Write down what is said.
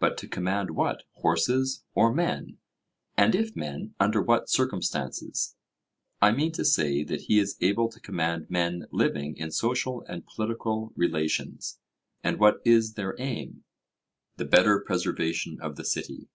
But to command what horses or men? and if men, under what circumstances? 'I mean to say, that he is able to command men living in social and political relations.' And what is their aim? 'The better preservation of the city.'